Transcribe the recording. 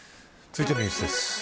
続いてのニュースです。